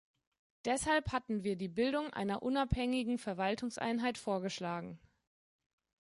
Deshalb hatten wir die Bildung einer unabhängigen Verwaltungseinheit vorgeschlagen.